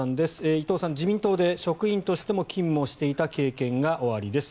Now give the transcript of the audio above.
伊藤さん、自民党で職員としても勤務をしていた経験がおありです。